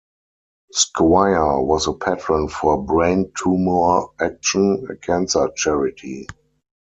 Squire was a patron for Brain Tumour Action, a cancer charity.